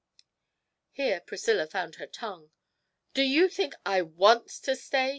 Here Priscilla found her tongue. 'Do you think I want to stay?'